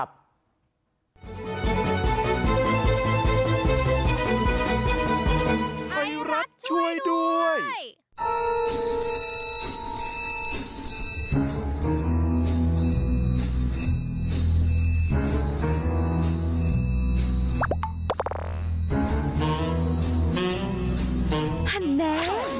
ไทยรัฐช่วยด้วย